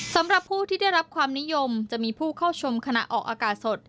สำหรับผู้ที่ได้รับความนิยมจะมีผู้เข้าชมขณะออกอากาศสด